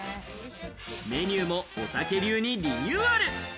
メニューもおたけ流にリニューアル。